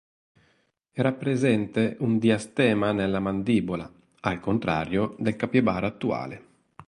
Era presente un diastema nella mandibola, al contrario del capibara attuale.